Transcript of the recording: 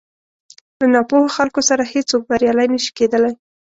له ناپوهو خلکو سره هېڅ څوک بريالی نه شي کېدلی.